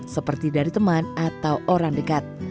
seperti dari teman atau orang dekat